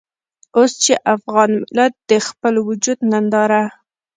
اوس چې افغان ملت د خپل وجود ننداره.